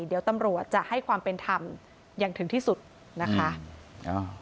เดี๋ยวตำรวจจะให้ความเป็นธรรมอย่างถึงที่สุดนะคะ